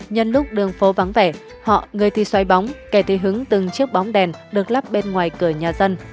nhân lúc đường phố vắng vẻ họ người thì xoay bóng kể từ hứng từng chiếc bóng đèn được lắp bên ngoài cửa nhà dân